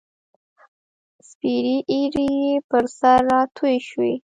سپیرې ایرې یې پر سر راتوی شوې